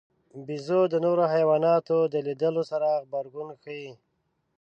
بیزو د نورو حیواناتو د لیدلو سره غبرګون ښيي.